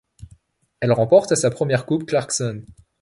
Elle remporte sa première Coupe Clarkson.